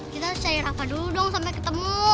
kita harus cari rafa dulu dong sampe ketemu